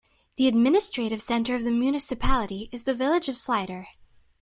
The administrative centre of the municipality is the village of Slidre.